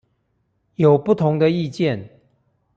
有不同的意見